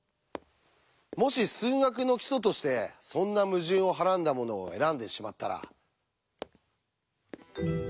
もし数学の基礎としてそんな矛盾をはらんだものを選んでしまったら。